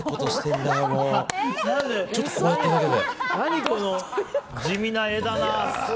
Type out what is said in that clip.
ちょっとこうやっただけで。